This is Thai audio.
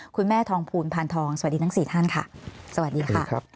คุณแม่ทองภูลพานทองสวัสดีทั้ง๔ท่านค่ะสวัสดีค่ะ